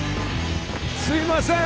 すいません！